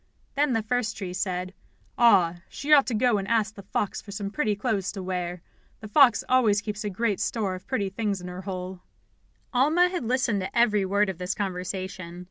Then the first tree said: "Ah, she ought to go and ask the fox for some pretty clothes to wear. The fox always keeps a great store of pretty things in her hole." Alma had listened to every word of this conversation.